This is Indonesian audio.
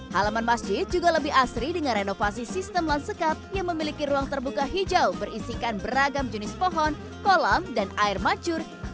halaman masjid juga lebih asri dengan renovasi sistem lansekat yang memiliki ruang terbuka hijau berisikan beragam jenis pohon kolam dan air mancur